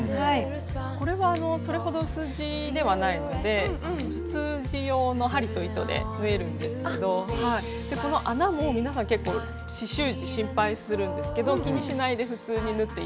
これはそれほど薄地ではないので普通地用の針と糸で縫えるんですけどこの穴も皆さん結構刺しゅう地心配するんですけど気にしないで普通に縫って頂けますね。